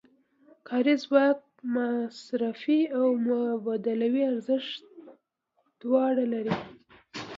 کاري ځواک مصرفي او مبادلوي ارزښت دواړه لري